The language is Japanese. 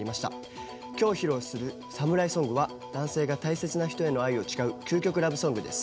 今日披露する「侍唄」は男性が大切な人への愛を誓う究極ラブソングです。